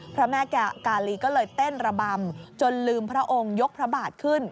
พระแม่กาลีก็เลยเต้นระบำจนลืมพระองค์ยกพระบาทขึ้น